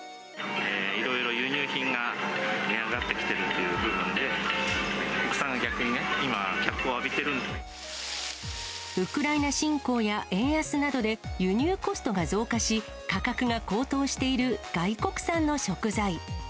いろいろ輸入品が値上がってきてるという部分で、国産が逆にね、今、ウクライナ侵攻や円安などで、輸入コストが増加し、価格が高騰している外国産の食材。